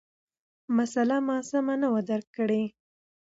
مسأله ما سمه نه وه درک کړې،